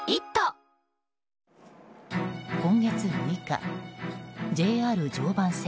今月６日、ＪＲ常磐線